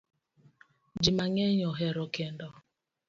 Ji mang'eny ohero kendo